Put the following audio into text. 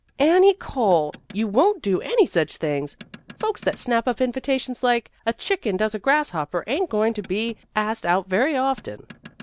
"Annie Cole! You won't do any such thing. Folks that snap up invitations like a chicken does a grasshopper, ain't going to be asked out very often."